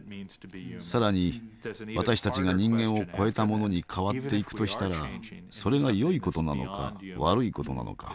さらに私たちが人間を超えたものに変わっていくとしたらそれがよいことなのか悪いことなのか。